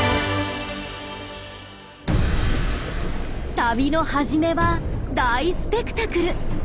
旅のはじめは大スペクタクル。